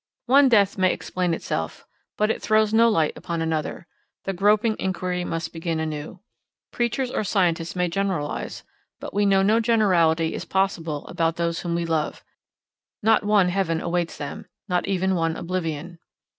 One death may explain itself, but it throws no light upon another: the groping inquiry must begin anew. Preachers or scientists may generalize, but we know that no generality is possible about those whom we love; not one heaven awaits them, not even one oblivion.